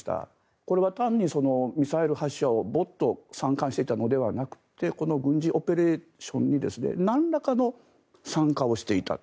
これは単にミサイル発射をボーッと参観していたのではなくてこの軍事オペレーションになんらかの参加をしていたと。